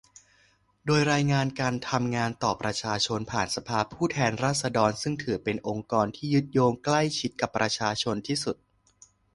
โดยรายงานการทำงานต่อประชาชนผ่านสภาผู้แทนราษฎร ซึ่งถือเป็นองค์กรที่ยึดโยงใกล้ชิดกับประชาชนที่สุด